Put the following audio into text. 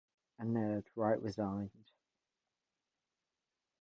Unnerved, Wright resigned.